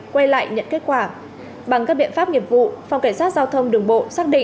quay lại nhận kết quả bằng các biện pháp nghiệp vụ phòng cảnh sát giao thông đường bộ xác định